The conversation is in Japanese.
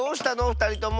ふたりとも。